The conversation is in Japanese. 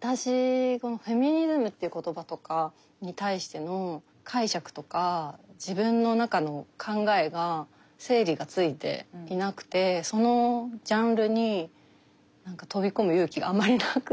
私このフェミニズムという言葉とかに対しての解釈とか自分の中の考えが整理がついていなくてそのジャンルに飛び込む勇気があまりなくて。